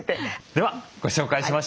ではご紹介しましょう。